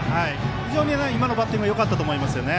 非常に今のバッティングはよかったと思いますね。